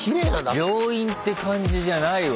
病院って感じじゃないわ。